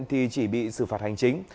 thì chỉ bị xử phạt hành chính